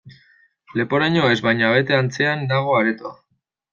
Leporaino ez, baina bete antzean dago aretoa.